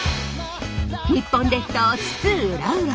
日本列島津々浦々。